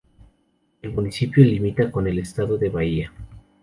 El municipio limita con el estado de Bahía.